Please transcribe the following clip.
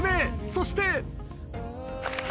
そして。